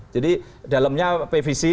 jadi dalamnya pvc